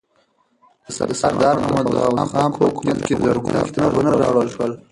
د سردار محمد داود خان په حکومت کې زرګونه کتابونه راوړل شول.